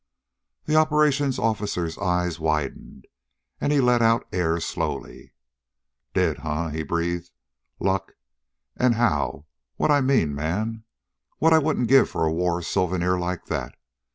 The operation officer's eyes widened, and he let out air slowly. "Did, huh?" he breathed. "Luck, and how, what I mean! Man, what I wouldn't give for a war souvenir like that!